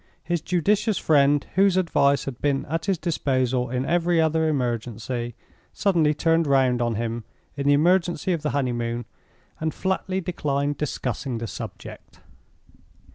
His judicious friend, whose advice had been at his disposal in every other emergency, suddenly turned round on him, in the emergency of the honeymoon, and flatly declined discussing the subject.